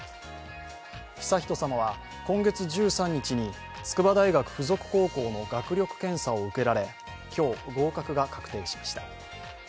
悠仁さまは今月１３日に筑波大学附属高校の学力検査を受けられ、今日、合格が確定しました。